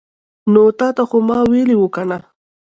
نو تاته خو ما ویلې وو کنه